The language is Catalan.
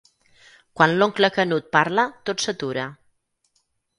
Quan l'oncle Canut parla tot s'atura.